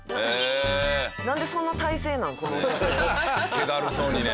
気だるそうにね。